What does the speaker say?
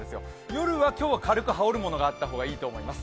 夜は今日は軽く羽織るものがあった方がいいと思います。